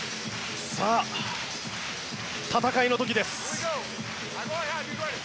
さあ、戦いの時です。